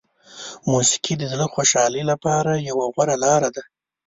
موسیقي د زړه خوشحالي لپاره یوه غوره لاره ده.